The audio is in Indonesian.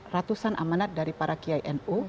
ratusan amanat dari para kiai nu